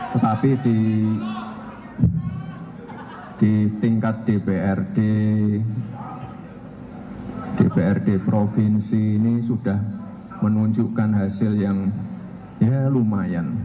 tetapi di tingkat dprd dprd provinsi ini sudah menunjukkan hasil yang ya lumayan